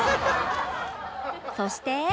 そして